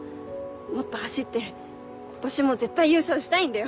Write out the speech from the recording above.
もっと走って今年も絶対優勝したいんだよ。